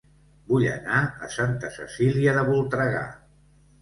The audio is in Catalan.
Vull anar a Santa Cecília de Voltregà